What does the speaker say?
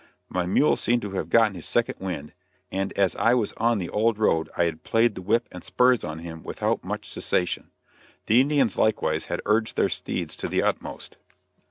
My mule seemed to have gotten his second wind, and as I was on the old road I had played the whip and spurs on him without much cessation. The Indians likewise had urged their steeds to the utmost.